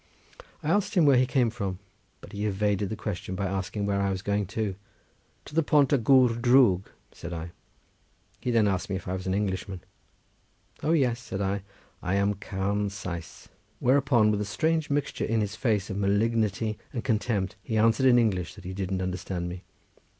I asked him where he came from, but he evaded the question by asking where I was going to. "To the Pont y Gwr Drwg," said I. He then asked me if I was an Englishman. "O yes!" said I, "I am Carn Sais;" whereupon with a strange mixture in his face of malignity and contempt, he answered in English that he didn't understand me.